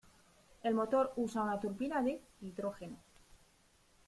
El motor usa una turbina de hidrógeno.